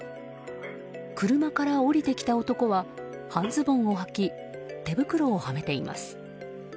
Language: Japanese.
車から降りてきた男は半ズボンをはき手袋をはめています。